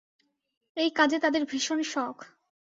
এই কাজে তাঁদের ভীষণ শখ।